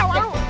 jangan lari lo